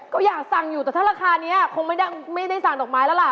ก็อยากสั่งอยู่แต่ถ้าราคานี้คงไม่ได้สั่งดอกไม้แล้วล่ะ